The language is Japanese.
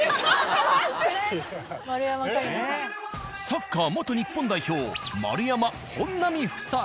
サッカー元日本代表丸山・本並夫妻。